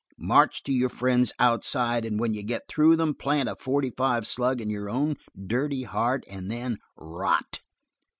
and march to your friends outside; and when you get through them, plant a forty five slug in your own dirty heart and then rot."